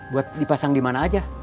buat dipasang di mana aja